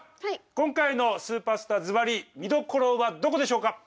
今回の「スーパースター」ずばり見どころはどこでしょうか？